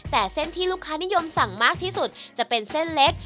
แต่เส้นที่ลูกค้านิยมสั่งมากที่สุดจะเป็นเส้นเล็ก